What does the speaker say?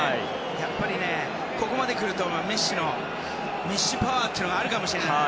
やっぱり、ここまでくるとメッシパワーっていうのがあるかもしれない。